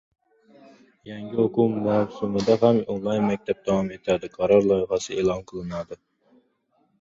Yangi o‘quv mavsumida ham «online-maktab» davom etadi. Qaror loyihasi e’lon qilindi